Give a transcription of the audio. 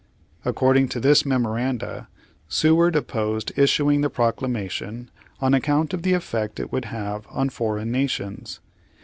According to this memoranda, Seward opposed issuing the proclamation on account of the effect it would have on foreign nations.